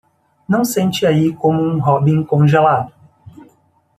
Não sente aí como um robin congelado.